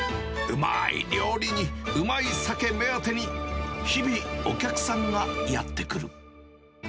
うまい料理に、うまい酒目当てに、日々、お客さんがやって来る。